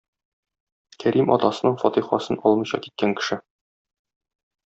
Кәрим атасының фатихасын алмыйча киткән кеше.